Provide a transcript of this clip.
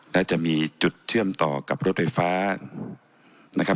และจะมีจุดเทื่อมต่อกับรถไฟฟ้า